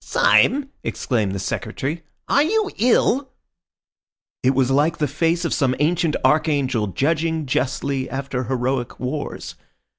"Syme," exclaimed the Secretary, "are you ill?" "It was like the face of some ancient archangel, judging justly after heroic wars.